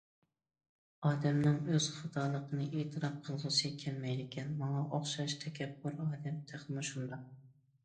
ئادەمنىڭ ئۆز خاتالىقىنى ئېتىراپ قىلغۇسى كەلمەيدىكەن، ماڭا ئوخشاش تەكەببۇر ئادەم تېخىمۇ شۇنداق.